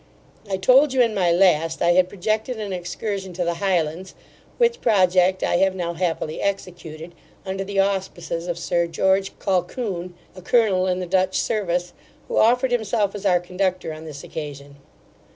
I told you, in my last, I had projected an excursion to the Highlands, which project I have now happily executed, under the auspices of Sir George Colquhoun, a colonel in the Dutch service, who offered himself as our conductor on this occasion.